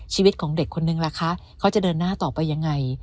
ชีวิตของเด็กคนนึงล่ะคะเขาจะเดินหน้าต่อไปยังไง